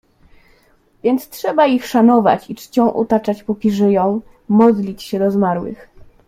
"Więc trzeba ich szanować i czcią otaczać, póki żyją, modlić się do zmarłych."